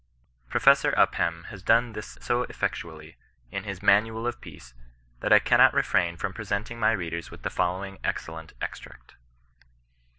Professor Upham has done thi'*/ so effectually, in his ^^ Manual of Peace,'* that I cannji^ refrain from presenting my readers with the following excellent extract.